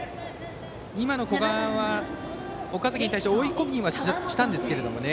今の古賀は、岡崎に対して追い込みはしたんですけどね。